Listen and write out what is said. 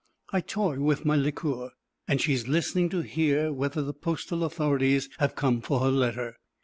I toy with my liqueur, and she is listening to hear whether the postal authorities have come for her letter.